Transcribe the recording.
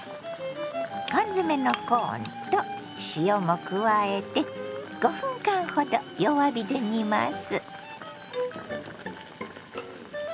缶詰のコーンと塩も加えて５分間ほど弱火で煮ます。